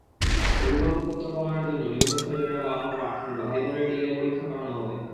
অভিভাবকত্ব প্রমাণের জন্য নিহত ছয়জনের মা-বাবা কিংবা ভাইবোনের ডিএনএ পরীক্ষা করানো হবে।